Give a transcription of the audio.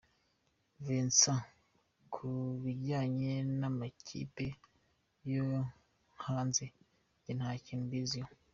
Vincent : Ku bijyanye n’amakipe yo hanze jye nta kintu mbiziho.